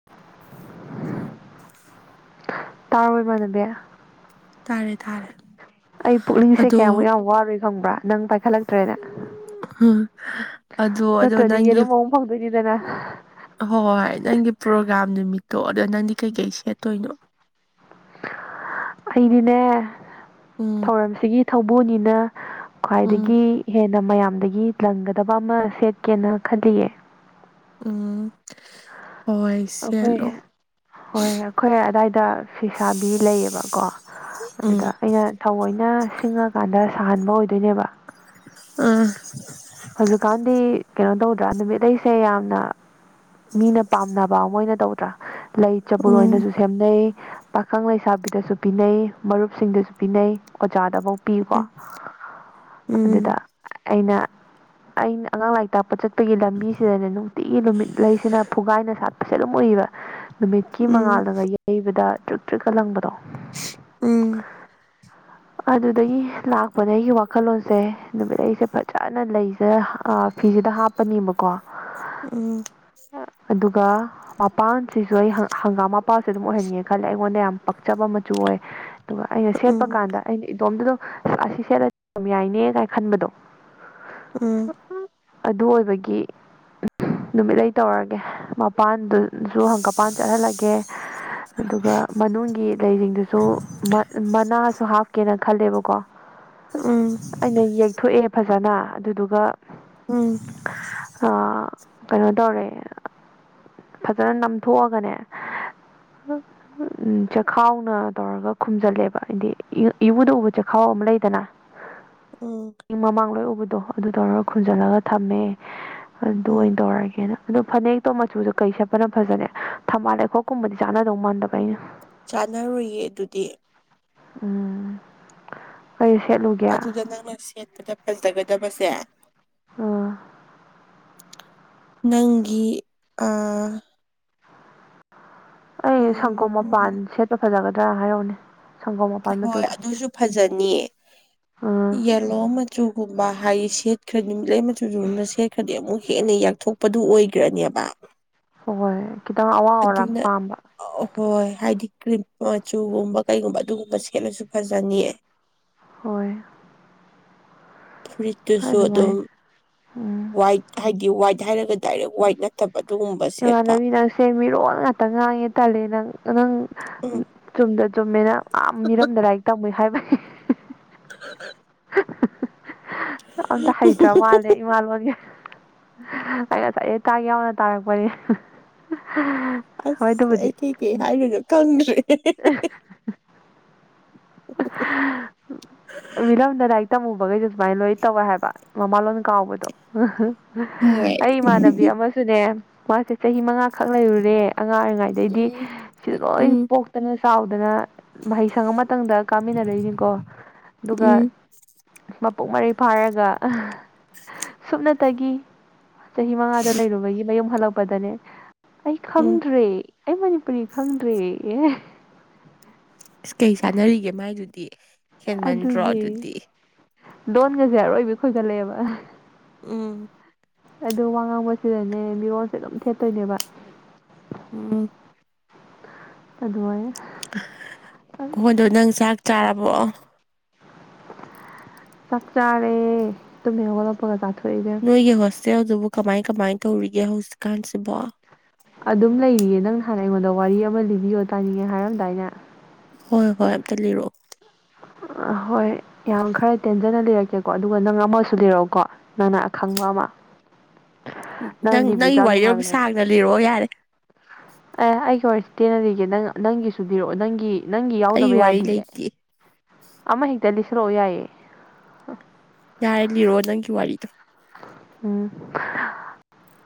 [unintelligible] ꯇꯥꯕ꯭ꯔꯣ ꯏꯃꯥꯟꯅꯕꯤ ꯇꯥꯔꯦ ꯇꯥꯔꯦ ꯑꯩ ꯄꯨꯛꯅꯤꯡꯁꯦ ꯀꯌꯥꯃꯨꯛ ꯑꯗꯣ ꯌꯥꯝ ꯋꯥꯔꯣꯏ ꯈꯪꯕ꯭ꯔꯥ ꯅꯪ ꯍꯂꯛꯇ꯭ꯔꯦꯅ ꯑꯣ ꯑꯗꯣ ꯅꯪꯒꯤ ꯌꯦꯔꯨꯝ ꯑꯃꯨꯛ ꯐꯪꯗꯣꯏꯅꯤꯗꯅ ꯍꯣꯏ ꯍꯣꯏ ꯅꯪꯒꯤ ꯄ꯭ꯔꯣꯒꯥ꯭ꯔꯥꯝ ꯅꯨꯃꯤꯠꯇꯣ ꯑꯗꯣ ꯅꯪꯗꯤ ꯀꯩꯀꯩ ꯁꯦꯠꯇꯣꯏꯅꯣ ꯑꯩꯗꯤꯅꯦ ꯎꯝ ꯊꯧꯔꯝꯁꯤꯒꯤ ꯊꯧꯕꯨꯅꯤꯅ ꯎꯝ ꯈ꯭ꯋꯥꯏꯗꯒꯤ ꯍꯦꯟꯅ ꯃꯌꯥꯝꯗꯒꯤ ꯂꯪꯒꯗꯕ ꯑꯃ ꯁꯦꯠꯀꯦꯅ ꯈꯜꯂꯤꯌꯦ ꯎꯝ ꯍꯣꯏ ꯑꯩꯈꯣꯏ ꯁꯦꯠꯂꯣ ꯍꯣꯏ ꯑꯩꯈꯣꯏ ꯑꯗꯥꯋꯥꯏꯗ ꯐꯤꯁꯥꯕꯤ ꯂꯩꯌꯦꯕꯀꯣ ꯎꯝ ꯑꯗꯨꯗ ꯑꯩꯅ ꯊꯧꯑꯣꯏꯅ ꯁꯤꯡꯉꯀꯥꯟꯗ ꯁꯥꯍꯟꯕ ꯑꯣꯏꯗꯣꯏꯅꯦꯕ ꯎꯝ ꯍꯧꯖꯤꯛꯀꯥꯟꯗꯤ ꯀꯩꯅꯣ ꯇꯧꯗ꯭ꯔꯥ ꯅꯨꯃꯤꯠ ꯑꯩꯁꯦ ꯌꯥꯝꯅ꯫ ꯃꯤꯅ ꯄꯥꯝꯅꯕ ꯑꯃ ꯑꯣꯏꯅ ꯇꯧꯗ꯭ꯔꯥ ꯂꯩ ꯆꯕꯨꯜ ꯎꯝ ꯑꯣꯏꯅꯁꯨ꯫ ꯁꯦꯝꯅꯩ ꯄꯥꯈꯪ ꯂꯩꯁꯥꯕꯤꯗꯁꯨ ꯄꯤꯅꯩ ꯃꯔꯨꯞꯁꯤꯡꯗꯁꯨ ꯄꯤꯅꯩ ꯑꯣꯖꯥꯗꯐꯧ꯫ ꯄꯤꯌꯨꯀꯣ ꯎꯝ ꯎꯝ ꯑꯗꯨꯗ ꯑꯩꯅ ꯑꯩꯅ ꯑꯉꯥꯡ ꯂꯥꯏꯔꯤꯛ ꯇꯥꯛꯄ ꯆꯠ꯫ ꯑꯩꯈꯣꯏꯒꯤ ꯂꯝꯕꯤꯁꯤꯗꯅꯦ ꯅꯨꯡꯇꯤꯒꯤ ꯅꯨꯃꯤꯠ ꯂꯩꯁꯤꯅ ꯐꯨꯒꯥꯏꯅ ꯁꯥꯠꯄꯁꯦ ꯑꯗꯨꯝ ꯎꯏꯌꯦꯕ꯫ ꯅꯨꯃꯤꯠꯀꯤ ꯎꯝ ꯃꯉꯥꯜꯂꯒ ꯌꯩꯕꯗ ꯇ꯭ꯔꯤꯛ ꯇ꯭ꯔꯤꯛꯀ ꯂꯪꯕꯗꯣ ꯎꯝ꯫ ꯑꯗꯨꯗꯒꯤ ꯂꯥꯛꯄꯗ ꯑꯩꯒꯤ ꯋꯥꯈꯜꯂꯣꯟꯁꯦ ꯅꯨꯃꯤꯠ ꯑꯩꯁꯦ ꯐꯖꯅ ꯂꯩ꯫ ꯐꯤꯁꯤꯗ ꯍꯥꯞꯄꯅꯦꯕꯀꯣ꯫ ꯎꯝ꯫ ꯑꯗꯨꯒ꯫ ꯃꯄꯥꯟꯁꯤꯁꯨ ꯑꯩ ꯍꯪꯒꯥꯝ ꯃꯄꯥꯟꯁꯨ ꯑꯗꯨꯝ ꯑꯣꯏꯍꯟꯒꯦ ꯈꯜꯂꯦ ꯑꯩꯉꯣꯟꯗ ꯌꯥꯝ ꯄꯛꯆꯕ ꯃꯆꯨ ꯑꯣꯏ꯫ ꯑꯗꯨꯒ ꯑꯩꯅ ꯁꯦꯠꯄ ꯀꯥꯟꯗ ꯑꯩꯅ ꯏꯇꯣꯝꯗꯗ ꯑꯁꯤ ꯁꯦꯠꯂꯝ ꯌꯥꯏꯅꯦ ꯀꯥꯏꯅ ꯈꯟꯕꯗꯣ꯫ ꯎꯝ ꯑꯗꯨ ꯑꯣꯏꯕꯒꯤ ꯅꯨꯃꯤꯠ ꯂꯩ ꯇꯧꯔꯒꯦ꯫ ꯃꯄꯥꯟꯗꯨꯁꯨ ꯍꯪꯀꯄꯥꯟ ꯆꯠꯍꯜꯂꯒꯦ ꯑꯗꯨꯒ꯫ ꯃꯅꯨꯡꯒꯤ ꯂꯩꯁꯤꯡꯗꯨꯁꯨ ꯃꯅꯥꯁꯨ ꯍꯥꯞꯀꯦꯅ ꯈꯜꯂꯦꯕꯀꯣ꯫ ꯑꯥ꯫ ꯌꯦꯛꯊꯣꯛꯑꯦ ꯐꯖꯅ ꯑꯗꯨꯗꯨꯒ꯫ ꯎꯝ꯫ ꯑꯥ ꯀꯩꯅꯣ ꯇꯧꯔꯦ꯫ ꯐꯖꯅ ꯅꯝꯊꯣꯛꯑꯒꯅꯦ꯫ ꯆꯈꯥꯎꯅ ꯇꯧꯔꯒ ꯈꯨꯝꯖꯤꯜꯂꯦꯕ ꯍꯥꯏꯗꯤ ꯏꯎꯗ ꯎꯕ ꯆꯈꯥꯎ ꯑꯃ ꯂꯩꯗꯅ꯫ ꯎꯝ꯫ ꯑꯣ꯫ ꯏꯪ ꯃꯃꯥꯡ ꯂꯣꯏ ꯎꯕꯗꯣ ꯑꯗꯨ ꯇꯧꯔꯒ ꯈ ꯈꯨꯟꯖꯜꯂꯒ ꯊꯝꯃꯦ ꯑꯗꯨ ꯎꯝ ꯑꯣꯏꯅ ꯇꯧꯔꯒꯦꯅ꯫ ꯑꯗꯨ ꯐꯅꯦꯛꯇꯣ ꯃꯆꯨꯗ ꯀꯩ ꯁꯦꯠꯄꯅ ꯐꯖꯅꯦ ꯊꯝꯕꯥꯜ ꯂꯩꯈꯣꯛꯀꯨꯝꯕꯗꯤ ꯆꯥꯅꯗꯧ ꯃꯥꯟꯗꯕ ꯑꯩꯅ꯫ ꯆꯥꯟꯅꯔꯨꯏꯌꯦ ꯑꯗꯨꯗꯤ꯫ ꯎꯝ꯫ ꯑꯩꯩ ꯁꯦꯂꯨꯒꯦ꯫ ꯑꯗꯨꯗ ꯅꯪꯅ ꯁꯦꯠꯄꯗ ꯐꯖꯒꯗꯕꯁꯦ꯫ ꯑꯣ꯫ ꯅꯪꯒꯤꯤ ꯑ꯫ ꯑꯩ ꯁꯪꯒꯣꯝ ꯃꯄꯥꯟ ꯎꯝ ꯁꯦꯠꯄ ꯐꯖꯒꯗ꯭ꯔꯥ ꯍꯥꯏꯔꯛꯎꯅꯦ꯫ ꯁꯪꯒꯣꯝ ꯃꯄꯥꯟ ꯍꯣꯏ ꯃꯆꯨꯗꯣ ꯑꯗꯨꯁꯨ ꯐꯖꯅꯤꯌꯦ ꯑꯥ ꯌꯦ꯫ ꯄꯂꯣ ꯃꯆꯨꯒꯨꯝꯕ ꯍꯥꯏ ꯁꯦꯠꯈ꯭ꯔꯗꯤ ꯃꯤꯠꯂꯩ ꯃꯆꯨꯗꯨꯒꯨꯝꯕꯅ ꯁꯦꯠꯈ꯭ꯔꯗꯤ ꯑꯃꯨꯛ ꯍꯦꯟꯅ ꯌꯥꯛꯊꯣꯛ꯫ ꯄꯗꯨ ꯑꯣꯏꯈ꯭ꯔꯅꯦꯕ꯫ ꯍꯣꯏ ꯈꯤꯇꯪ ꯑꯉꯧ ꯑꯔꯥꯛ ꯄꯥꯝꯕ꯫ ꯑꯍꯣꯏ ꯍꯥꯏꯗꯤ ꯀ꯭ꯔꯤꯝ ꯃꯆꯨꯒꯨꯝꯕ ꯀꯩꯒꯨꯝꯕ ꯑꯗꯨꯒꯨꯝꯕ ꯁꯦꯠꯂꯁꯨ ꯐꯖꯅꯤꯌꯦ꯫ ꯍꯣꯏ꯫ ꯍꯣꯏ ꯐꯨꯔꯤꯠꯇꯨꯁꯨ ꯑꯗꯨꯝ ꯑꯗꯨꯃꯥꯏꯅ ꯎꯝ ꯋꯥꯏꯠ ꯍꯥꯏꯗꯤ ꯋꯥꯏꯠ ꯍꯥꯏꯔꯒ ꯗꯥꯏꯔꯦꯛ ꯋꯥꯏꯠꯅ꯫ ꯇꯄꯗꯨꯒꯨꯝꯕ꯫ ꯏꯃꯥꯟꯅꯕꯤ ꯅꯪꯁꯦ ꯃꯤꯔꯣꯜ ꯉꯥꯛꯇ ꯉꯥꯡꯉꯦ ꯇꯜꯂꯦ ꯅꯪ ꯅꯪ꯫ ꯎꯝ ꯆꯨꯝꯗ ꯆꯨꯝꯃꯦꯅ ꯑ ꯃꯤꯔꯝꯗ ꯂꯥꯏꯔꯤꯛ ꯇꯝꯃꯨ ꯍꯥꯏꯕꯅꯤ꯫ ꯇ꯫ ꯑꯝꯇ ꯍꯩꯇ꯭ꯔ ꯃꯥꯜꯂꯦ ꯏꯃꯥ ꯂꯣꯟꯒ꯫ ꯑꯩ ꯉꯁꯥꯏ ꯑꯇꯥꯥ ꯌꯥꯎꯅ ꯇꯥꯔꯛꯄꯅꯦ꯫ ꯍꯣꯏ ꯑꯁ ꯑꯗꯨꯕꯨꯗꯤ ꯑꯩ ꯀꯩ ꯀꯩ ꯍꯥꯏꯕꯁꯨ ꯈꯪꯗ꯭ꯔꯦ꯫ ꯃꯤꯔꯝꯗ ꯂꯥꯏꯔꯤꯛ꯫ ꯇꯝꯃꯨꯕꯈꯩꯗ ꯁꯨꯃꯥꯏꯅ ꯂꯣꯏꯅ ꯇꯧꯋꯦ ꯍꯥꯏꯕ ꯃꯃꯥꯂꯣꯟꯣꯟ ꯀꯥꯎꯕꯗꯣ꯫ ꯎꯝ ꯑꯩ ꯏꯃꯥꯟꯅꯕꯤ ꯑꯃꯁꯨꯅꯦ ꯃꯥꯁꯦ ꯆꯍꯤ ꯃꯉꯥ꯫ ꯈꯛ ꯂꯩꯔꯨꯔꯦ ꯑꯉꯥꯡ ꯑꯣꯏꯔꯤꯉꯩꯗꯩꯗꯤ ꯁꯤꯗ ꯂꯣꯏ ꯎꯝ ꯄꯣꯛ ꯐꯛꯇꯅ ꯆꯥꯎꯗꯅ ꯃꯍꯩꯁꯪ ꯑꯃꯇꯗ ꯀꯥꯃꯤꯟꯅꯔꯛꯏꯅꯤꯀꯣ ꯑꯗꯨꯒ ꯎꯝ ꯃꯄꯨꯡ ꯃꯔꯩ ꯐꯥꯔꯒ ꯁꯨꯞꯅꯇꯒꯤ ꯆꯍꯤ ꯃꯉꯥꯗ ꯂꯩꯔꯨꯕꯒꯤ ꯃꯌꯨꯝ ꯍꯜꯂꯛꯄꯗꯅꯦ ꯑꯩ ꯎꯝ ꯈꯪꯗ꯭ꯔꯦ ꯑꯩ ꯃꯅꯤꯄꯨꯔꯤ ꯈꯪꯗ꯭ꯔꯦ ꯑꯦ ꯑꯁ ꯀꯩ ꯆꯥꯟꯅꯔꯤꯒꯦ ꯃꯥꯏꯗꯨꯗꯤ ꯑꯗꯨꯗꯤ ꯗꯣꯟꯒꯁꯦ ꯑꯔꯣꯏꯕꯤ ꯈꯣꯏꯒꯠꯂꯛꯑꯦꯕ ꯎꯝ ꯑꯗꯨ ꯋꯥ ꯉꯥꯡꯕꯁꯤꯗꯅꯦ ꯃꯤꯔꯣꯜꯁꯦ ꯑꯗꯨꯝ ꯊꯦꯠꯇꯣꯏꯅꯦꯕ ꯎꯝ [unintelligible] [unintelligible] ꯅꯪ ꯆꯥꯛ ꯆꯥꯔꯕꯣ ꯆꯥꯛ ꯆꯥꯔꯦ ꯇꯃꯦꯍꯣ ꯑꯞꯄꯒ ꯆꯥꯊꯣꯛꯏꯁꯦ ꯅꯈꯣꯏꯒꯤ ꯍꯣꯁꯇꯦꯜꯗꯨꯕꯨ ꯀꯃꯥꯏ ꯀꯃꯥꯏꯅ ꯇꯧꯔꯤꯒꯦ ꯍꯧꯖꯤꯛꯀꯥꯟꯁꯤꯕꯣ ꯑꯗꯨꯝ ꯂꯩꯔꯤꯌꯦ ꯅꯪ ꯍꯥꯟꯅ ꯑꯩꯉꯣꯟꯗ ꯋꯥꯔꯤ ꯑꯃ ꯂꯤꯕꯤꯌꯣ ꯇꯥꯅꯤꯡꯉꯦ ꯍꯥꯏꯔꯝꯗꯥꯏꯅꯦ ꯍꯣꯏ ꯍꯣꯏ ꯑꯝꯇ ꯂꯤꯔꯛꯑꯣ ꯍꯣꯏ ꯌꯥꯝ ꯈꯔ ꯇꯦꯟꯖꯅ ꯂꯩꯔꯛꯀꯦꯀꯣ ꯑꯗꯨꯒ ꯅꯪ ꯑꯃꯁꯨ ꯂꯩꯔꯛꯎꯀꯣ ꯅꯅꯥ ꯑꯈꯪꯕ ꯑꯃ ꯎ ꯅꯪ ꯂꯤꯕꯗꯨꯁꯨ ꯅꯪꯒꯤ ꯌꯥꯝ ꯋꯥꯔꯤꯔꯝ ꯅꯨꯡꯉꯥꯏꯕꯅꯦꯕ ꯁꯥꯡꯅ ꯂꯤꯔꯛꯑꯣ ꯌꯥꯔꯦ ꯑꯦ ꯑꯩꯒꯤ ꯋꯥꯔꯤꯔꯁꯤ ꯇꯦꯟꯅꯔꯤꯒꯦ ꯅꯪ ꯅꯪꯒꯤ ꯁꯨꯕꯤꯔꯛꯑꯣ ꯅꯪꯒꯤ ꯅꯪꯒꯤ ꯌꯥꯎꯗꯕ ꯑꯩꯒꯤ ꯋꯥꯔꯤ ꯌꯥꯗꯤꯒꯦ ꯂꯩꯇꯦ ꯑꯃ ꯍꯦꯛꯇ ꯂꯤꯁꯨꯔꯛꯎ ꯌꯥꯏꯌꯦ ꯌꯥꯔꯦ ꯂꯤꯔꯣ ꯅꯪꯒꯤ ꯋꯥꯔꯤꯗꯣ ꯎꯝ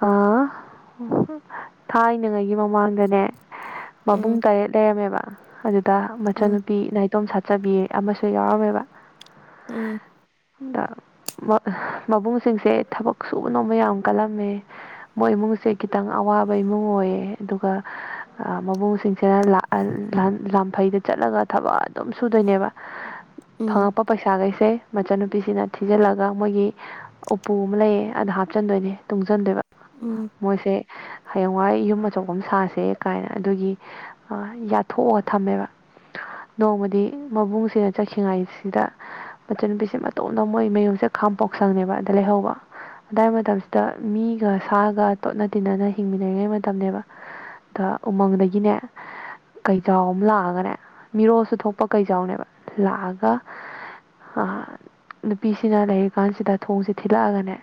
ꯑ ꯊꯥꯏꯅꯉꯩꯒꯤ ꯃꯃꯥꯡꯗꯅꯦ ꯃꯕꯨꯡ ꯎꯝ ꯇꯔꯦꯠ ꯂꯩꯔꯝꯃꯦꯕ ꯑꯗꯨꯗ ꯎꯝ ꯃꯆꯥꯟꯅꯨꯄꯤ ꯅꯥ ꯑ ꯑꯗꯨꯣꯝ ꯁꯥꯠꯆꯕꯤ ꯑꯃꯁꯨ ꯌꯥꯎꯔꯝꯃꯦꯕ ꯎꯝ ꯑ ꯃꯕꯨꯡꯁꯤꯡꯁꯦ ꯊꯕꯛ ꯁꯨꯕ ꯅꯣꯃ ꯌꯥꯝ ꯀꯜꯂꯝꯃꯦ ꯃꯣꯏ ꯏꯃꯨꯡꯁꯦ ꯈꯤꯇꯪ ꯑꯋꯥꯕ ꯏꯃꯨꯡ ꯑꯣꯏꯌꯦ ꯑꯗꯨꯒ ꯃꯕꯨꯡꯁꯤꯡꯁꯤꯅ ꯂꯥꯟꯐꯩꯗ ꯆꯠꯂꯒ ꯊꯕꯛ ꯑꯗꯨꯝ ꯁꯨꯗꯣꯏꯅꯦꯕ ꯎꯝ ꯐꯪꯉꯛꯄ ꯄꯩꯁꯥꯈꯩꯁꯦ ꯃꯆꯟꯅꯨꯄꯤꯁꯤꯅ ꯊꯤꯖꯤꯜꯂꯒ ꯃꯣꯏꯒꯤ ꯎꯄꯨ ꯑꯃ ꯂꯩꯌꯦ ꯑꯗ ꯍꯥꯞꯆꯟꯗꯣꯏꯅꯦ ꯇꯨꯡꯁꯤꯟꯗꯣꯏꯕ ꯎꯝ ꯃꯣꯏꯁꯦ ꯍꯌꯦꯡꯋꯥꯏ ꯌꯨꯝ ꯑꯆꯧꯕ ꯑꯃ ꯁꯥꯁꯦ ꯀꯥꯏꯅ ꯑꯗꯨꯒꯤ ꯌꯥꯊꯣꯛꯑꯒ ꯊꯝꯃꯦꯕ ꯅꯣꯡꯃꯗꯤ ꯃꯕꯨꯡꯁꯤꯅ ꯆꯠꯈꯤꯉꯥꯏꯁꯤꯗ ꯃꯆ ꯅꯨꯨꯄꯤꯁꯦ ꯃꯇꯣꯝꯗ ꯃꯣꯏ ꯃꯌꯨꯝꯁꯦ ꯈꯥꯝꯄꯣꯛꯁꯪꯅꯦꯕ ꯑꯗ ꯂꯩꯍꯧꯕ ꯑꯗꯨꯗꯥꯏ ꯃꯇꯝꯁꯤꯗ ꯃꯤꯒ ꯁꯥꯒ ꯇꯣꯠꯅ ꯇꯤꯟꯅꯅ ꯍꯤꯡꯃꯤꯟꯅꯔꯤꯉꯩ ꯃꯇꯝꯅꯦꯕ ꯎꯃꯪꯗꯒꯤꯅꯦ ꯀꯩꯖꯥꯎ ꯑꯃ ꯂꯥꯛꯑꯒꯅꯦ ꯃꯤꯔꯣꯜꯁꯨ ꯊꯣꯛꯄ ꯀꯩꯖꯥꯎꯅꯦꯕ ꯂꯥꯛꯑꯒ ꯅꯨꯄꯤꯁꯤꯅ ꯂꯩꯔꯤꯀꯥꯟꯁꯤꯗ ꯊꯣꯡꯁꯦ ꯊꯤꯜꯂꯛꯑꯒꯅꯦ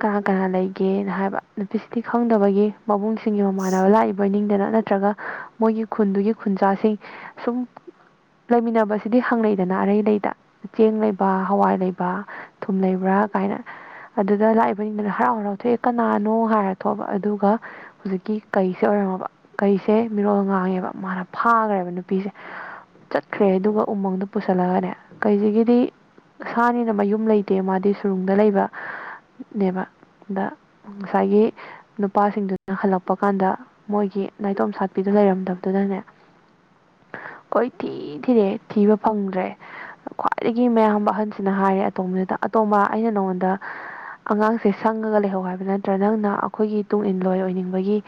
ꯀꯅꯥ ꯀꯅꯥ ꯂꯩꯒꯦꯅ ꯍꯥꯏꯕ ꯅꯨꯄꯤꯁꯤꯗꯤ ꯈꯪꯗꯕꯒꯤ ꯃꯕꯨꯡꯁꯤꯡꯒꯤ ꯃꯃꯥꯟꯅꯕ ꯂꯥꯛꯏꯕ ꯏ ꯅꯤꯡꯗꯅ ꯅꯠꯇ꯭ꯔꯒ ꯃꯣꯏꯒꯤ ꯈꯨꯟꯗꯨꯒꯤ ꯈꯨꯟꯖꯥꯁꯤꯡ ꯁꯨꯝ ꯂꯩꯃꯤꯟꯅꯕꯁꯤꯗꯤ ꯍꯪꯅꯩꯗꯅ ꯑꯔꯩ ꯂꯩꯗ ꯆꯦꯡ ꯂꯩꯕ ꯍꯋꯥꯏ ꯂꯩꯕ ꯊꯨꯝ ꯂꯩꯕ꯭ꯔꯥ ꯀꯥꯏꯅ ꯑꯗꯨꯗ ꯂꯥꯛꯏꯕꯅꯤꯅ ꯍꯔꯥꯎ ꯍꯔꯥꯎꯊꯣꯛꯑꯦ ꯀꯅꯥꯅꯣ ꯍꯥꯏꯔꯊꯕ ꯑꯗꯨꯒ ꯍꯧꯖꯤꯛꯀꯤ ꯀꯩꯁꯦ ꯑꯣꯏꯔꯝꯃꯕ ꯀꯩꯁꯦ ꯃꯤꯔꯣꯜ ꯉꯥꯡꯉꯦꯕ ꯃꯥꯅ ꯐꯥꯈ꯭ꯔꯦꯕ ꯅꯨꯄꯤꯁꯦ ꯆꯠꯈ꯭ꯔꯦ ꯑꯗꯨꯒ ꯎꯃꯪꯗ ꯄꯨꯁꯜꯂꯒꯅꯦ ꯀꯩꯁꯤꯒꯤꯗꯤ ꯁꯥꯅꯤꯅ ꯃꯌꯨꯝ ꯂꯩꯇꯦ ꯃꯥꯗꯤ ꯁꯨꯔꯨꯡ ꯗ ꯂꯩꯕ ꯅꯦꯕ ꯑꯗ ꯉꯁꯥꯏꯒꯤ ꯅꯨꯄꯥꯁꯤꯡꯗꯨꯅ ꯍꯜꯂꯛꯄ ꯀꯥꯟꯗ ꯃꯣꯏꯒꯤ ꯅꯥꯏꯇꯣꯝ ꯁꯥꯠꯄꯤꯗꯨ ꯂꯩꯔꯝꯗꯕꯗꯨꯗꯅꯦ ꯀꫭꯏ ꯊꯤ ꯊꯤꯔꯦ ꯊꯤꯕ ꯐꯪꯗ꯭ꯔꯦ ꯈ꯭ꯋꯥꯏꯗꯒꯤ ꯃꯌꯥꯝꯕ ꯑꯍꯟꯁꯤꯅ ꯍꯥꯏꯔꯦ ꯑꯇꯣꯝꯁꯤꯗ ꯑꯇꯣꯝꯕ ꯑꯩꯅ ꯅꯉꯣꯟꯗ ꯑꯉꯥꯡꯁꯦ ꯁꯪꯉꯒ ꯂꯩꯍꯧ ꯍꯥꯏꯕ ꯅꯠꯇ꯭ꯔꯥ ꯅꯪꯅ ꯑꯩꯈꯣꯏꯒꯤ ꯇꯨꯡ ꯏꯟꯂꯣꯏ ꯑꯣꯏꯅꯤꯡꯕꯒꯤ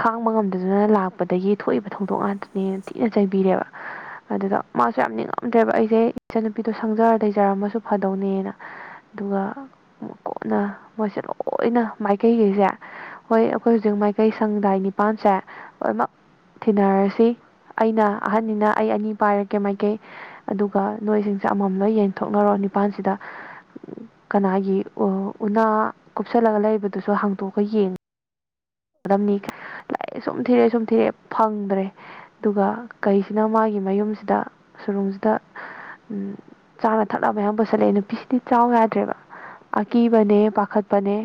ꯈꯥꯡꯕ ꯉꯝꯗꯗꯨꯅ ꯂꯥꯛꯄꯗꯒꯤ ꯊꯣꯛꯏꯕ ꯊꯧꯗꯣꯛ ꯉꯥꯛꯇꯅꯦ ꯊꯤꯅ ꯆꯩꯕꯤꯔꯦꯕ ꯑꯗꯨꯗ ꯃꯥꯁꯨ ꯌꯥꯝ ꯅꯤꯡꯉꯝꯗ꯭ꯔꯦꯕ ꯑꯩꯁꯦ ꯏꯆꯟꯅꯨꯄꯤꯗꯣ ꯁꯪꯖꯔ ꯊꯩꯖꯔꯝꯃꯁꯨ ꯐꯗꯧꯅꯦꯅ ꯑꯗꯨꯒ ꯀꯣꯟꯅ ꯃꯣꯏꯁꯦ ꯂꯣꯏꯅ ꯃꯥꯏꯀꯩꯒꯩꯁꯦ ꯍꯣꯏ ꯑꯩꯈꯣꯏ ꯍꯧꯖꯤꯛ ꯃꯥꯏꯀꯩ ꯁꯪꯗꯥꯏ ꯅꯤꯄꯥꯟꯁꯦ ꯂꯣꯏꯃꯛ ꯊꯤꯅꯔꯁꯤ ꯑꯩꯅ ꯑꯍꯟꯅꯤꯅ ꯑꯩ ꯑꯅꯤ ꯄꯥꯏꯔꯛꯀꯦ ꯃꯥꯏꯀꯩ ꯑꯗꯨꯒ ꯅꯣꯏꯁꯤꯡꯁꯦ ꯑꯃꯃꯝ ꯂꯣꯏ ꯌꯦꯟꯊꯣꯛꯅꯔꯣ ꯅꯤꯄꯥꯜꯁꯤꯗ ꯀꯅꯥꯒꯤ ꯎꯅꯥ ꯀꯨꯞꯁꯜꯂꯒ ꯂꯩꯕꯗꯨꯁꯨ ꯍꯥꯡꯇꯣꯛꯑꯒ ꯌꯦꯡꯉꯦ ꯗꯝꯅꯤ ꯂꯥꯛꯑ ꯁꯨꯝ ꯊꯤꯔꯛꯑꯦ ꯁꯨꯝ ꯊꯤꯔꯛꯑꯦ ꯐꯪꯗ꯭ꯔꯦ ꯑꯗꯨꯒ ꯀꯩꯁꯤꯅ ꯃꯥꯒꯤ ꯃꯌꯨꯝꯁꯤꯗ ꯁꯨꯔꯨꯝꯁꯤꯗ ꯎꯝ ꯆꯥꯅ ꯊꯛꯅꯕꯌꯥꯝ ꯄꯨꯁꯜꯂꯛꯑꯦ ꯅꯨꯄꯤ ꯄꯤꯁꯤꯗꯤ ꯆꯥꯎ ꯌꯥꯗ꯭ꯔꯦꯕ ꯑꯀꯤꯕꯅꯦ ꯄꯥꯈꯠꯄꯅꯦ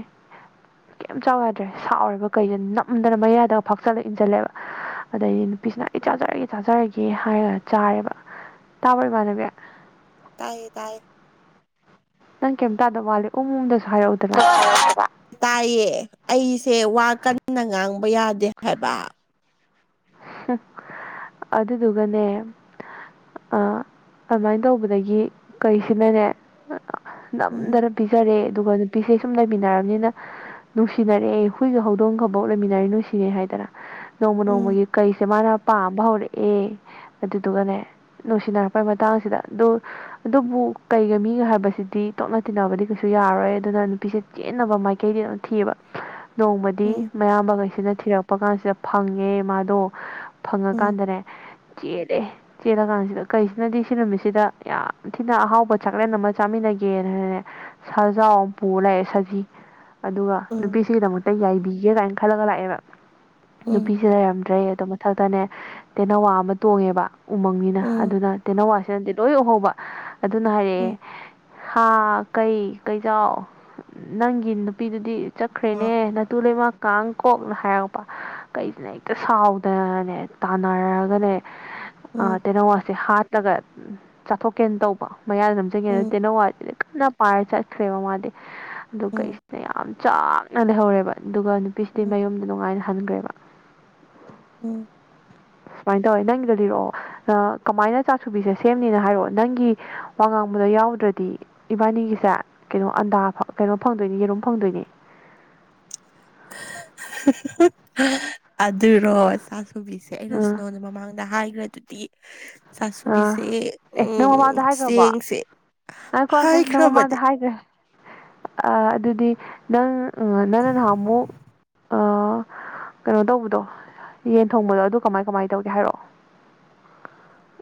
ꯀꯦꯝ ꯆꯥꯎ ꯌꯥꯗ꯭ꯔꯦ ꯁꯥꯎꯔꯤꯕ ꯀꯩꯗꫭ ꯅꯝꯗꯅ ꯃꯌꯥꯗ ꯐꯥꯛꯆꯜꯂꯒ ꯏꯟꯁꯤꯜꯂꯦꯕ ꯑꯗꯩꯗꯤ ꯅꯨꯄꯤꯁꯤꯅ ꯑꯩ ꯆꯥꯖꯔꯒꯦ ꯆꯥꯖꯔꯒꯦ ꯀꯦ ꯍꯥꯏꯔꯒ ꯆꯥꯔꯦꯕ ꯇꯥꯕꯔ ꯏꯃꯥꯟꯅꯕꯤ ꯇꯥꯏ ꯇꯥꯏ ꯅꯪ ꯀꯩꯝꯇꯥꯗꯥꯕ ꯃꯥꯜꯂꯦ ꯎꯝ ꯎꯝ ꯗꯁꯨ ꯍꯥꯏꯔꯛꯎ ꯇꯥꯏꯌꯦ ꯑꯩꯁꯦ ꯋꯥ ꯀꯟꯅ ꯉꯥꯡꯕ ꯌꯥꯗꯦ ꯍꯥꯏꯕ ꯍꯨꯝ ꯑꯗꯨꯗꯨꯒꯅꯦ ꯑꯗꯨꯃꯥꯏꯅ ꯇꯧꯕꯗꯒꯤ ꯀꯩꯁꯤꯅꯅꯦ ꯎꯝ ꯅꯝꯗꯅ ꯄꯤꯖꯔꯦ ꯑꯗꯨꯒ ꯅꯨꯄꯤꯁꯦ ꯁꯨꯝ ꯂꯩꯃꯤꯟꯅꯔꯕꯅꯤꯅ ꯅꯨꯡꯁꯤꯅꯔꯛꯑꯦ ꯍꯨꯏꯒ ꯍꯧꯗꯣꯡꯒꯕꯧ ꯂꯩꯃꯤꯟꯅꯔ ꯅꯨꯡꯁꯤꯟꯅꯔꯦ ꯍꯥꯏꯗꯅ ꯅꯣꯡꯃ ꯎꯝ ꯅꯣꯡꯃꯒꯤ ꯀꯩꯁꯦ ꯃꯥꯅ ꯄꯥꯝꯕ ꯍꯧꯔꯛꯑꯦ ꯑꯗꯨꯗꯨꯒꯅꯦ ꯅꯨꯡꯁꯤꯅꯔꯛꯄꯩ ꯃꯇꯥꯡꯁꯤꯗ ꯑꯗꯨ ꯑꯗꯨꯕꯨ ꯀꯩꯒ ꯃꯤꯒ ꯍꯥꯏꯕꯁꯤꯗꯤ ꯇꯣꯠꯅ ꯇꯤꯟꯅꯕꯗꯤ ꯀꯩꯁꯨ ꯌꯥꯔꯣꯏ ꯑꯗꯨꯅ ꯅꯨꯄꯤꯁꯦ ꯆꯦꯟꯅꯕ ꯃꯥꯏꯀꯩꯗꯤ ꯑꯗꯨꯝ ꯊꯤꯑꯦꯕ ꯅꯣꯡꯃꯗꯤ ꯎꯝ ꯃꯌꯥꯝꯕꯈꯩꯁꯤꯅ ꯊꯤꯔꯛꯄ ꯀꯥꯟꯁꯤꯗ ꯐꯪꯉꯦ ꯃꯥꯗꯣ ꯎꯝ ꯐꯪꯉꯀꯥꯟꯗꯅꯦ ꯆꯦꯜꯂꯦ ꯆꯦꯜꯂꯀꯥꯟꯁꯤꯗ ꯀꯩꯁꯤꯅꯗꯤ ꯁꯤ ꯅꯨꯃꯤꯠꯁꯤꯗ ꯌꯥꯝ ꯊꯤꯅ ꯑꯍꯥꯎꯕ ꯆꯥꯛꯂꯦꯟ ꯑꯃ ꯆꯥꯃꯤꯟꯅꯒꯦꯅꯅꯦ ꯁꯥꯖꯥꯎ ꯑꯃ ꯄꯨꯔ ꯂꯥꯛꯑꯦ ꯁꯖꯤ ꯑꯗꯨꯒ ꯎꯝ ꯅꯨꯄꯤꯁꯤꯒꯤꯗꯃꯛꯇ ꯌꯥꯏꯕꯤꯒꯦ ꯀꯥꯏꯅ ꯈꯜꯂꯒ ꯂꯥꯛꯑꯦꯕ ꯎꯝ ꯅꯨꯄꯤꯁꯤ ꯂꯩꯔꯝꯗ꯭ꯔꯦ ꯑꯗꯨ ꯃꯊꯛꯇꯅꯦ ꯇꯦꯟꯅꯧꯋꯥ ꯑꯃ ꯇꯣꯡꯉꯦꯕ ꯎꯃꯪꯅꯤꯅ ꯎꯝ ꯑꯗꯨꯅ ꯇꯦꯟꯅꯋꯥꯁꯤ ꯗꯤ ꯂꯣꯏ ꯎꯍꯧꯕ ꯑꯗꯨꯅ ꯍꯥꯏꯔꯛꯑꯦ ꯎꯝ ꯍꯥ ꯀꯩ ꯀꯩꯖꯥꯎ ꯅꯪꯒꯤ ꯅꯨꯄꯤꯗꯨꯗꯤ ꯆꯠꯈ꯭ꯔꯦꯅꯦ ꯅꯇꯨ ꯂꯩꯃ ꯀꯥꯡ ꯀꯣꯛꯅ ꯍꯥꯏꯔꯛꯄ ꯀꯩꯖꯤꯅ ꯍꯦꯛꯇ ꯁꯥꯎ ꯗꯅꯥꯅꯦ ꯇꯥꯟꯅꯔꯒꯅꯦ ꯎꯝ ꯇꯦꯅꯧꯋꯥꯁꯦ ꯍꯥꯠ ꯇꯒ ꯆꯥꯊꯣꯛꯀꯦꯅ ꯇꯧꯕ ꯃꯌꯥꯗ ꯅꯝꯁꯤꯒꯦꯅ ꯎꯝ ꯇꯦꯟꯅꯧꯋꯥ ꯀꯟꯅ ꯄꯥꯏꯔ ꯆꯠꯈ꯭ꯔꯦꯕ ꯃꯥꯗꯤ ꯑꯗꯨꯒ ꯎꯝ ꯀꯩꯁꯤꯅ ꯌꯥꯝ ꯆꯥꯛꯅ ꯂꯩꯍꯧꯔꯦꯕ ꯑꯗꯨꯒ ꯅꯨꯄꯤꯁꯤꯗꯤ ꯎꯝ ꯃꯌꯨꯝꯗ ꯅꯨꯡꯉꯥꯏꯅ ꯍꯟꯒ꯭ꯔꯦꯕ ꯎꯝ ꯁꯨꯃꯥꯏꯟ ꯇꯧꯋꯦ ꯅꯪꯒꯤꯗꯣ ꯂꯤꯔꯛꯑꯣ ꯀꯃꯥꯏꯅ ꯆꯥꯁꯨꯕꯤꯁꯦ ꯁꯦꯝꯅꯤꯅ ꯍꯥꯏꯔꯛꯑꯣ ꯅꯪꯒꯤ ꯋꯥꯉꯥꯡꯕꯗꯣ ꯌꯥꯎꯗ꯭ꯔꯗꯤ ꯏꯕꯥꯅꯤꯒꯤꯁꯦ ꯀꯩꯅꯣ ꯑꯟꯗꯥ ꯀꯩꯅꯣ ꯐꯪꯗꯣꯏꯅꯤ ꯌꯦꯔꯨꯝ ꯐꯪꯗꯣꯏꯅꯤ ꯑꯗꯨꯔꯣ ꯆꯁꯨꯕꯤꯁꯦ ꯑꯩꯅꯁꯨ ꯑꯥ ꯅꯉꫭꯟꯗ ꯃꯃꯥꯡꯗ ꯍꯥꯏꯒ꯭ꯔꯗꯨꯗꯤ ꯑꯥ ꯆꯁꯨꯕꯤꯁꯦ ꯑꯦ ꯎꯝ ꯆꯦꯡꯁꯦ ꯉꯥꯏꯈꫭ ꯉꯥꯏꯈꫭ ꯅꯪ ꯍꯥꯏꯈ꯭ꯔꯕꯅꯦ ꯃꯃꯥꯡꯗ ꯍꯥꯏꯒ꯭ꯔꯦ ꯑ ꯑꯗꯨꯗꯤ ꯅꯪ ꯅꯪꯅ ꯅꯍꯥꯟ ꯑꯃꯨꯛ ꯀꯩꯅꯣ ꯇꯧꯕꯗꯣ ꯌꯦꯟ ꯊꯣꯡꯕꯗꯣ ꯑꯗꯨ ꯀꯃꯥꯏ ꯀꯃꯥꯏꯟ ꯇꯧꯒꯦ ꯍꯥꯏꯔꯛꯑꯣ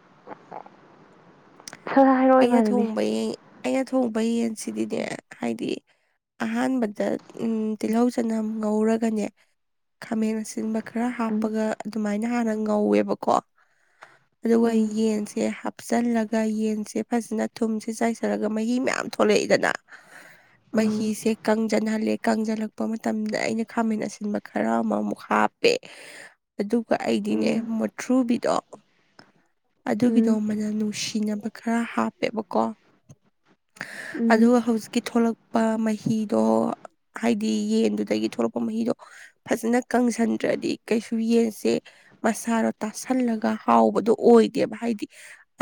[unintelligible] ꯁꯠ ꯁꯠ ꯍꯥꯏꯔꯛꯑꯣ ꯑꯩꯅ ꯏꯃꯥꯟꯅꯕꯤ ꯊꯣꯡꯕ ꯌꯦꯟ ꯑꯩꯅ ꯊꯣꯡꯕ ꯌꯦꯟꯁꯤꯗꯤꯅꯦ ꯍꯥꯏꯗꯤ ꯑꯍꯥꯟꯕꯗ ꯎꯝ ꯇꯤꯜꯍꯧ ꯆꯅꯝ ꯉꯧꯔꯒꯅꯦ ꯈꯥꯃꯦꯟ ꯑꯁꯤꯟꯕ ꯈꯔ ꯎꯝ ꯍꯥꯞꯄꯒ ꯑꯗꯨꯃꯥꯏꯅ ꯍꯥꯟꯅ ꯉꯧꯋꯦꯕꯀꯣ ꯑꯗꯨꯒ ꯎꯝ ꯌꯦꯟꯁꯦ ꯍꯥꯞꯆꯜꯂꯒ ꯌꯦꯟꯁꯦ ꯐꯖꯅ ꯊꯨꯝꯁꯦ ꯆꯥꯏꯁꯤꯂꯒ ꯃꯍꯤ ꯃꯌꯥꯝ ꯊꯣꯛꯂꯛꯏꯗꯅ ꯎꯝ ꯃꯍꯤꯁꯦ ꯀꯪꯖꯤꯟꯍꯜꯂꯦ ꯀꯪꯖꯤꯜꯂꯛꯄ ꯃꯇꯝꯗ ꯑꯩꯅ ꯈꯥꯃꯦꯟ ꯑꯁꯤ ꯑꯁꯤꯟꯕ ꯈꯔ ꯑꯃꯃꯨꯛ ꯍꯥꯞꯄꯦ [inaudible] ꯑꯗꯨꯒ ꯎꯝ ꯑꯩꯗꯤꯅꯦ ꯃꯨꯊ꯭ꯔꯨꯕꯤꯗꯣ ꯑꯗꯨꯒꯤꯗꯣ ꯎꯝ ꯃꯅꯝ ꯅꯨꯡꯁꯤꯅꯕ ꯈꯔ ꯍꯥꯞꯄꯦꯕꯀꯣ ꯎꯝ ꯑꯗꯨꯒ ꯍꯧꯖꯤꯛꯀꯤ ꯊꯣꯛꯂꯛ ꯃꯍꯤꯗꯣ ꯍꯥꯏꯗꯤ ꯌꯦꯟꯗꯨꯗꯒꯤ ꯊꯣꯛꯂꯛꯄ ꯃꯍꯤꯗꯣ ꯐꯖꯅ ꯀꯪꯁꯤꯟꯗ꯭ꯔꯗꯤ ꯀꯩꯁꯨ ꯌꯦꯟꯁꯦ ꯃꯁꯥꯔꯣ ꯇꯥꯁꯜꯂꯒ ꯍꯥꯎꯕꯗꯣ ꯑꯣꯏꯗꯦꯕ ꯍꯥꯏꯗꯤ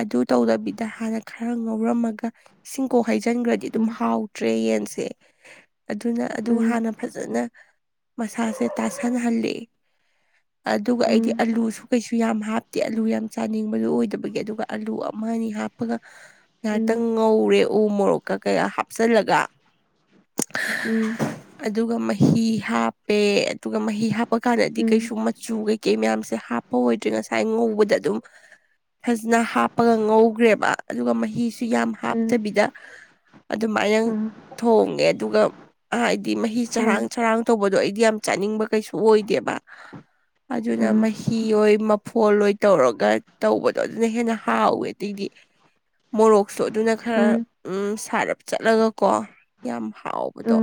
ꯑꯗꯨ ꯇꯧꯗꯕꯤꯗ ꯍꯥꯟꯅ ꯈꯔ ꯉꯧꯔꯝꯃꯒ ꯏꯁꯤꯡꯀꯣꯛ ꯍꯩꯖꯤꯟꯈ꯭ꯔꯗꯤ ꯑꯗꯨꯝ ꯎꯝ ꯍꯥꯎꯗ꯭ꯔꯦ ꯌꯦꯟꯁꯦ ꯑꯗꯨꯅ ꯎꯝ ꯑꯗꯨ ꯎꯝ ꯍꯥꯟꯅ ꯐꯖꯅ ꯃꯁꯥꯁꯦ ꯇꯥꯁꯟꯍꯜꯂꯤ ꯑꯗꯨꯒ ꯎꯝ ꯎꯝ ꯑꯩꯗꯤ ꯎꯝ ꯑꯥꯂꯨꯁꯨ ꯀꯩꯁꯨ ꯌꯥꯝ ꯍꯥꯞꯇꯦ ꯑꯂꯨ ꯌꯥꯝ ꯆꯥꯅꯤꯡꯕꯗꯨꯣ ꯑꯣꯏꯗꯕꯒꯤ ꯑꯗꯨꯒ ꯑꯂꯨ ꯑꯃ ꯑꯅꯤ ꯍꯥꯞꯄꯒ ꯎꯝ ꯎꯝ ꯎꯝ ꯉꯥꯏꯍꯥꯛꯇꯪ ꯉꯧꯔꯦ ꯎ ꯃꯣꯔꯣꯛꯀꯥ ꯀꯩꯒ ꯍꯥꯞꯆꯜꯂꯒ ꯎꯝ ꯑꯗꯨꯒ ꯃꯍꯤ ꯍꯥꯞꯄꯦ ꯑꯗꯨꯒ ꯃꯍꯤ ꯍꯥꯞꯄ ꯎꯝ ꯀꯥꯟꯗꯗꯤ ꯀꯩꯁꯨ ꯎꯝ ꯆꯨ ꯀꯩꯀꯩ ꯃꯌꯥꯝꯁꯦ ꯍꯥꯞꯄ ꯑꯣꯏꯗ꯭ꯔꯦ ꯉꯁꯥꯏ ꯉꯧꯕꯗ ꯑꯗꯨꯝ ꯐꯖꯅ ꯍꯥꯞꯄꯒ ꯉꯧꯈ꯭ꯔꯦꯕ ꯑꯗꯨꯒ ꯃꯍꯤꯁꯨ ꯌꯥꯝ ꯎꯝ ꯎꯝ ꯎꯝ ꯍꯥꯞꯇꯕꯤꯗ ꯑꯗꯨꯃꯥꯏꯅ ꯊꯣꯡꯉꯦ ꯑꯗꯨꯒ ꯍꯥꯏꯗꯤ ꯃꯍꯤ ꯆꯔꯥꯡ ꯆꯔꯥꯡ ꯇꯧꯕꯗꯣ ꯑꯩꯗꯤ ꯌꯥꯝ ꯆꯥꯅꯤꯡꯕ ꯀꯩꯁꯨ ꯑꯣꯏꯗꯦꯕ ꯑꯗꯨꯅ ꯃꯍꯤ ꯑꯣꯏ ꯃꯐꯣ ꯑꯣꯏ ꯇꯧꯔꯒ ꯇꯧꯕꯗꯣ ꯑꯗꯨꯅ ꯍꯦꯟꯅ ꯍꯥꯎꯋꯦ ꯑꯗꯇꯩꯗꯤ ꯃꯣꯔꯣꯛꯁꯨ ꯑꯗꯨꯅ ꯈꯔ ꯎꯝ ꯁꯥꯔꯞ ꯆꯠꯂꯒ ꯀꯣ ꯌꯥꯝ ꯍꯥꯎꯕ ꯃꯗꯣ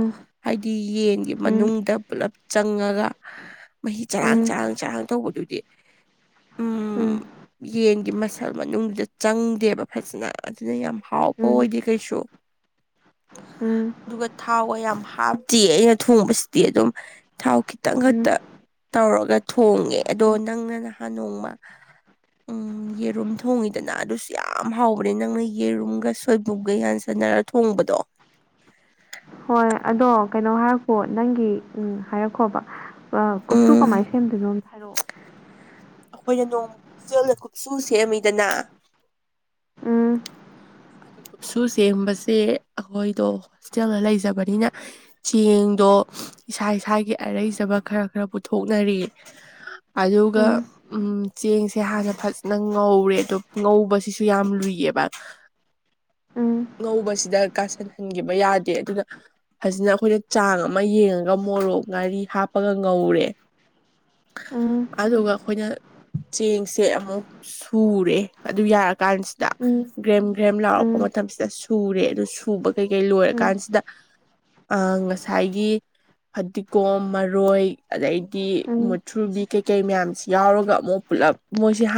ꯍꯥꯏꯗꯤ ꯌꯦꯟꯒꯤ ꯃꯅꯨꯡꯗ ꯄꯨꯂꯞ ꯆꯪꯉꯒ ꯃꯍꯤ ꯆꯔꯥꯡ ꯎꯝ ꯆꯔꯥꯡ ꯆꯔꯥꯡ ꯇꯧꯕꯗꯨꯗꯤ ꯎꯝ ꯎꯝ ꯌꯦꯟꯒꯤ ꯃꯁꯜ ꯃꯅꯨꯡꯗꯨꯗ ꯆꯪꯗꯦꯕ ꯐꯖꯅ ꯑꯗꯨꯅ ꯌꯥꯝ ꯍꯥꯎꯕ ꯎꯝ ꯎꯝ ꯑꯣꯏꯗꯦ ꯀꯩꯁꯨ ꯑꯗꯨꯒ ꯊꯥꯎꯒ ꯌꯥꯝ ꯍꯥꯞꯇꯦ ꯑꯩꯅ ꯊꯣꯡꯕꯁꯤꯗꯤ ꯑꯗꯨꯝ ꯊꯥꯎ ꯈꯤꯇꯪ ꯈꯛꯇ ꯎꯝ ꯇꯧꯔꯒ ꯊꯣꯡꯉꯦ ꯑꯗꯣ ꯅꯪꯅ ꯅꯍꯥꯟ ꯅꯣꯡꯃ ꯎ ꯎꯝ ꯌꯦꯔꯨꯝ ꯊꯣꯡꯉꯤꯗꯅ ꯑꯗꯨꯁꯨ ꯌꯥꯝ ꯍꯥꯎꯕꯅꯦ ꯅꯪꯅ ꯌꯦꯔꯨꯝꯒ ꯁꯣꯏꯕꯨꯡꯛꯒ ꯌꯥꯟꯁꯟꯅꯔ ꯊꯣꯡꯕꯗꯣ ꯍꯣꯏ ꯑꯗꯣ ꯀꯩꯅꯣ ꯍꯥꯏꯔꯛꯄꯣ ꯅꯪꯒꯤ ꯎꯝ ꯍꯥꯏꯔꯛꯈꯣꯕ ꯀꯨꯞꯁꯨ ꯎꯝ ꯀꯃꯥꯏꯅ ꯁꯦꯝꯗꯣꯏꯅꯣꯅ ꯍꯥꯏꯔꯛꯑꯣ ꯑꯩꯈꯣꯏꯅ ꯅꯣꯡꯃ ꯍꯣꯁꯇꯦꯜꯗ ꯀꯠꯁꯨ ꯁꯦꯝꯃꯤꯗꯅ ꯎꯝ ꯀꯨꯞꯁꯨꯨ ꯁꯦꯝꯦꯡꯕꯁꯦ ꯑꯩꯈꯣꯏꯗꯣ ꯍꯣꯁꯇꯦꯜꯗ ꯂꯩꯖꯕꯅꯤꯅ ꯆꯦꯡꯗꯣ ꯏꯁꯥ ꯏꯁꯥꯒꯤ ꯑꯔꯩꯖꯕ ꯈꯔ ꯈꯔ ꯄꯨꯊꯣꯛꯅꯔꯤ ꯑꯒ ꯎꯝ ꯎꯝ ꯆꯦꯡꯁꯦ ꯍꯥꯟꯅꯦ ꯐꯖꯅ ꯉꯧꯔꯦ ꯑꯗꯣ ꯉꯧꯕꯁꯤꯁꯨ ꯌꯥꯝ ꯂꯨꯏꯑꯕ ꯎꯝ ꯉꯧꯕꯁꯤꯗ ꯀꯥꯁꯟꯍꯟꯈꯤꯕ ꯌꯥꯗꯦ ꯑꯗꯨꯅ ꯐꯖꯤꯅ ꯑꯩꯈꯣꯏꯅ ꯆꯥꯡ ꯑꯃ ꯌꯦꯡꯉꯒ ꯃꯣꯔꯣꯛ ꯉꯥꯔꯤ ꯍꯥꯞꯄꯒ ꯉꯧꯔꯦ ꯎꯝ ꯑꯗꯨꯒ ꯑꯩꯈꯣꯏꯅ ꯆꯦꯡꯁꯦ ꯑꯃꯨꯛ ꯁꯨꯔꯦ ꯑꯗꯨ ꯌꯥꯔꯀꯥꯟꯁꯤ ꯎꯝ ꯒ꯭ꯔꯦꯝ ꯒ꯭ꯔꯦꯝ ꯎꯝ ꯂꯥꯎꯔꯛꯄ ꯃꯇꯝꯁꯤꯗ ꯁꯨꯔꯦ ꯑꯗꯨ ꯁꯨꯕ ꯀꯩꯀꯩ ꯂꯣꯏꯔ ꯎꯝ ꯀꯥꯟꯁꯤꯗ ꯑ ꯉꯁꯥꯏꯒꯤ ꯐꯗꯤꯒꯣꯝ ꯃꯔꯣꯏ ꯑꯗꯩꯗꯤ ꯎꯝ ꯃꯨꯊ꯭ꯔꯨꯕꯤ ꯀꯩꯀꯩ ꯃꯌꯥꯝꯁꯤ ꯌꯥꯎꯔꯒ ꯑꯃꯨꯛ ꯄꯨꯜꯂꯞ ꯃꯣꯏ